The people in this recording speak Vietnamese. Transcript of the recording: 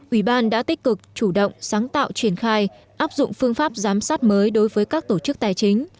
ủy ban đã tích cực chủ động sáng tạo triển khai áp dụng phương pháp giám sát mới đối với các tổ chức tài chính